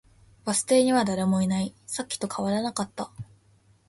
バス停には誰もいない。さっきと変わらなかった。